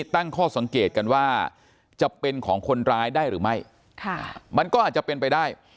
ตั้งข้อสังเกตกันว่าจะเป็นของคนร้ายได้หรือไม่ค่ะมันก็อาจจะเป็นไปได้